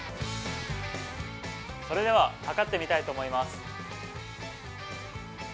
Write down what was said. それでは、測ってみたいと思います。